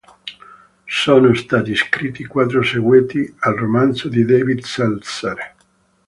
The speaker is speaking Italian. Sono stati scritti quattro seguiti al romanzo di David Seltzer.